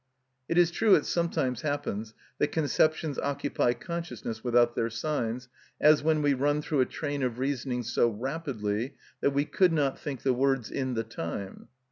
It is true it sometimes happens that conceptions occupy consciousness without their signs, as when we run through a train of reasoning so rapidly that we could not think the words in the time.